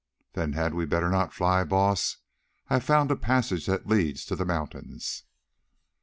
"Then had we not better fly, Baas? I have found a passage that leads to the mountains."